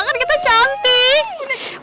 kan kita cantik